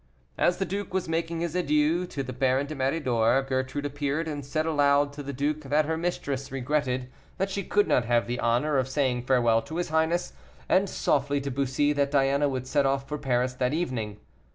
As the duke was making his adieux to the Baron de Méridor, Gertrude appeared, and said aloud to the duke that her mistress regretted that she could not have the honor of saying farewell to his highness; and softly to Bussy that Diana would set off for Paris that evening.